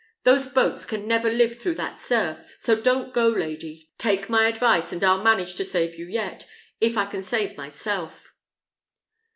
Those boats can never live through that surf. So don't go, lady! Take my advice, and I'll manage to save you yet, if I can save myself."